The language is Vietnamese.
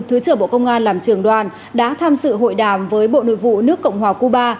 thứ trưởng bộ công an làm trường đoàn đã tham dự hội đàm với bộ nội vụ nước cộng hòa cuba